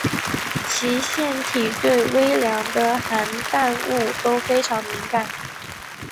其腺体对微量的含氮物都非常敏感。